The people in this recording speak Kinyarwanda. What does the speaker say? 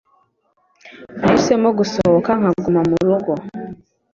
Nahisemo gusohoka nkaguma murugo.